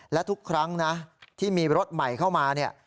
และทุกครั้งนะที่มีรถใหม่เข้ามาเนี่ย